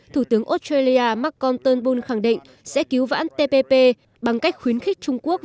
thủ tướng australia marcon turnbull khẳng định sẽ cứu vãn tpp bằng cách khuyến khích trung quốc